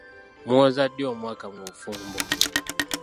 Muweza ddi omwaka mu bufumbo?